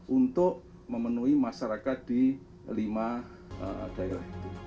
untuk memenuhi masyarakat di lima daerah